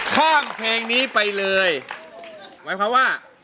ข้างเพลงนี้ไปเลยเพราะว่า